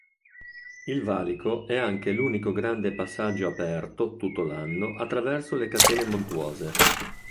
Il valico è anche l'unico grande passaggio aperto tutto l'anno attraverso le catene montuose.